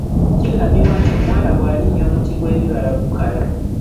Kigambibwa nti omuwala bw’alinnya omuti gw’ebibala gukala.